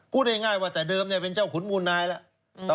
พูดง่ายว่าแต่เดิมเป็นเจ้าขุนมูลนายแล้ว